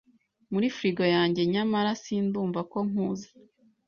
muri frigo yanjye nyamara sindumva ko nkuze